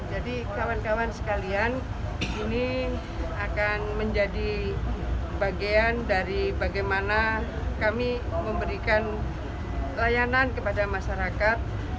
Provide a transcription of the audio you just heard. jadi kawan kawan sekalian ini akan menjadi bagian dari bagaimana kami memberikan layanan kepada masyarakat